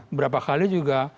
beberapa kali juga